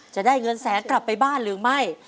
จะได้เงินแสนกลับไปบ้านหรือไม่